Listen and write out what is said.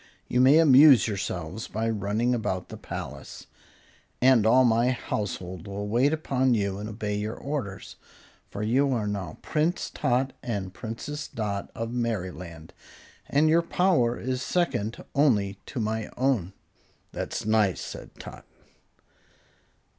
"You may amuse yourselves by running about the palace, and all my household will wait upon you and obey your orders; for you are now Prince Tot and Princess Dot of Merryland, and your power is second only to my own." "That's nice," said Tot.